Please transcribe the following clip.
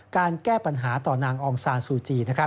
การแก้ปัญหาต่อนางอองซานซูจี